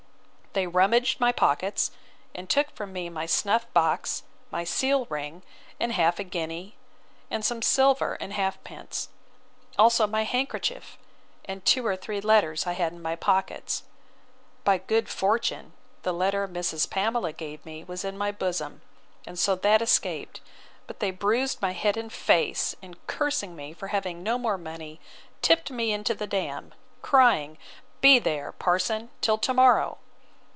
They rummaged my pockets, and took from me my snuff box, my seal ring, and half a guinea, and some silver, and halfpence; also my handkerchief, and two or three letters I had in my pockets. By good fortune, the letter Mrs. Pamela gave me was in my bosom, and so that escaped but they bruised my head and face, and cursing me for having no more money, tipped me into the dam, crying, be there, parson, till to morrow!